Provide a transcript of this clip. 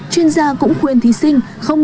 chuyên gia cũng khuyên thí sinh không